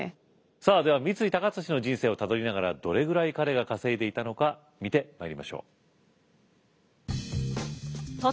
さあでは三井高利の人生をたどりながらどれぐらい彼が稼いでいたのか見てまいりましょう。